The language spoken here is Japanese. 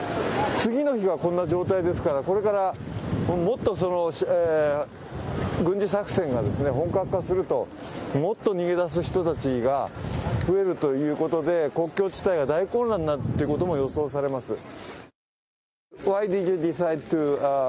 次の日がこんな状態ですから、これからもっと軍事作戦が本格化するともっと逃げ出す人たちが増えるということで国境地帯が大混乱になることも予想されます。